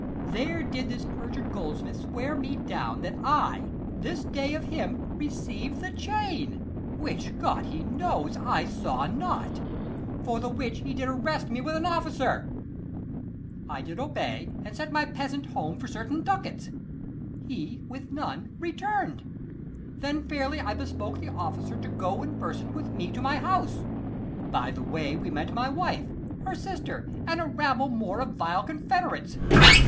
There did this perjured goldsmith swear me down That I this day of him received the chain, Which, God he knows, I saw not: for the which He did arrest me with an officer. 230 I did obey; and sent my peasant home For certain ducats: he with none return'd. Then fairly I bespoke the officer To go in person with me to my house. By the way we met my wife, her sister, and a rabble more 235 Of vile confederates.